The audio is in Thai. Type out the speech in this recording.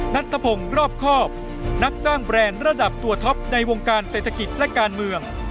นัทธพงศ์รอบครอบนักสร้างแบรนด์ระดับตัวท็อปในวงการเศรษฐกิจและการเมือง